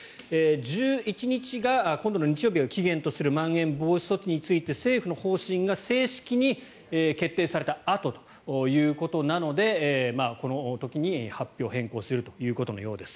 １１日を期限とするまん延防止措置について政府の方針が正式に決定されたあとということなのでこの時に発表を変更するということのようです。